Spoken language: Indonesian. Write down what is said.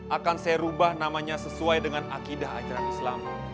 akan saya rubah namanya sesuai dengan akidah ajaran islam